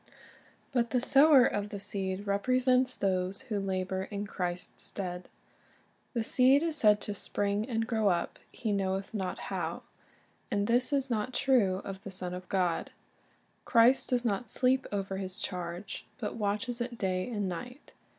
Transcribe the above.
But the sower of the seed represents those who labor in Christ's stead. The seed is said to "spring and grow up, he knoweth not how," and this is not true of the Son of God. Christ does not sleep over His charge, but watches it day and night.